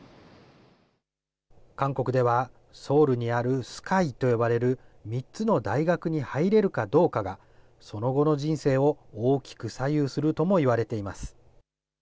韓国では、ソウルにあるＳＫＹと呼ばれる３つの大学に入れるかどうかが、その後の人生を大きく左右するとも言われています。